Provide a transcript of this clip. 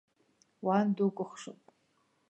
Уан дукәыхшоуп!